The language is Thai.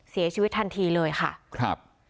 เสียชีวิตทันทีเลยค่ะครับ